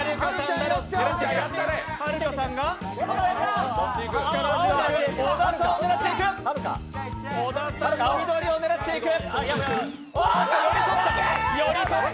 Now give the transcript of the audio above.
はるかさんが力強く小田さんを狙っていく、緑を狙っていく。